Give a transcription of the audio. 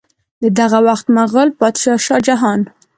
د دغه وخت مغل بادشاه شاه جهان